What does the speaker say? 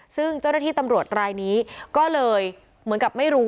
ซึ่งเจ้าหน้าที่ตำรวจรายนี้ก็เลยเหมือนกับไม่รู้